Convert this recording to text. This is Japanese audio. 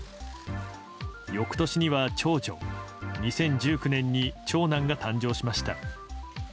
翌年には長女２０１９年に長男が誕生しました。